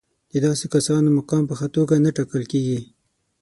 د داسې کسانو مقام په ښه توګه نه ټاکل کېږي.